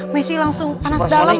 messi langsung panas dalem